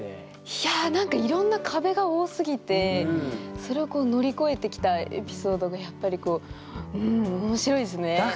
いやなんかいろんな壁が多すぎてそれを乗り越えてきたエピソードがやっぱりこううん面白いですね。